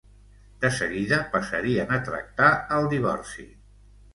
De seguida passarien a tractar el divorci.